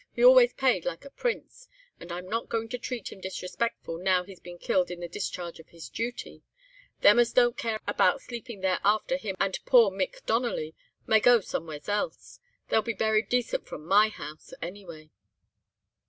He always paid like a prince, and I'm not going to treat him disrespectful now he's been killed in the discharge of his duty. Them as don't care about sleeping there after him and poor Mick Donnelly, may go somewheres else. They'll be buried decent from my house, anyway.